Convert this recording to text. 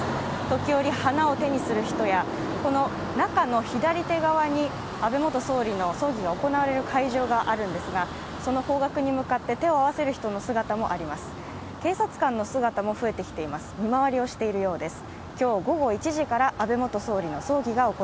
時折、花を手にする人や、中の左手側に安倍元総理の葬儀が行われる会場があるんですが、その方角に向かって手を合わせる人の姿もあります。